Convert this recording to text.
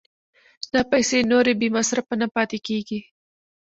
دا پیسې نورې بې مصرفه نه پاتې کېږي